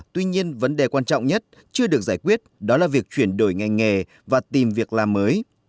tuy nhiên vấn đề quan trọng nhất chưa được giải quyết đó là việc chuyển đổi ngành nghề và tìm việc làm mới